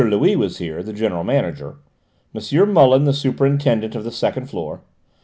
Louis was here, the general manager, M. Muller the superintendent of the second floor, M.